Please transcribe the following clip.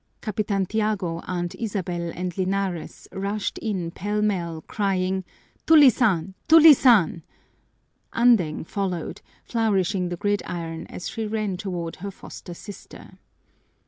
Capitan Tiago, Aunt Isabel, and Linares rushed in pell mell, crying, "Tulisan! Tulisan!" Andeng followed, flourishing the gridiron as she ran toward her foster sister.